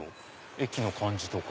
駅の感じとか。